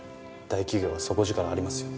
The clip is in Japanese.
大企業は底力ありますよ。